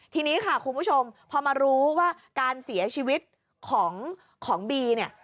ทีนี้ค่ะคุณผู้ชมพอมารู้ว่าการเสียชีวิตของบีเนี่ย